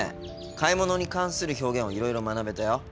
買い物に関する表現をいろいろ学べたよ。